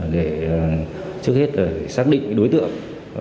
để trước hết xác định đối tượng